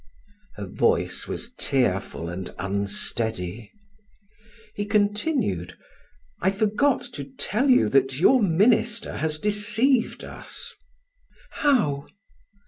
Her voice was tearful and unsteady. He continued: "I forgot to tell you that your minister has deceived us." "How?"